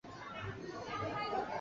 与零售最大的不同在于商品。